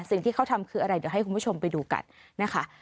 สิ่งที่เขาทำคืออะไรเดี๋ยวให้คุณผู้ชมไปดูกันนะคะ